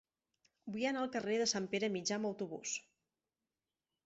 Vull anar al carrer de Sant Pere Mitjà amb autobús.